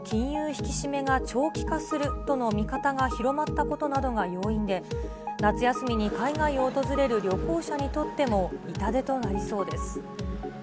引き締めが長期化するとの見方が広まったことなどが要因で、夏休みに海外を訪れる旅行者にとっても、痛手となりそうです。